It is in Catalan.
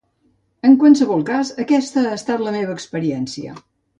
En qualsevol cas, aquesta ha estat la meva experiència.